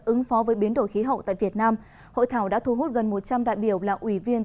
ứng phó với biến đổi khí hậu tại việt nam hội thảo đã thu hút gần một trăm linh đại biểu là ủy viên